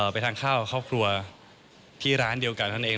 ไปทานข้าวกับครอบครัวที่ร้านเดียวกันเท่านั้นเอง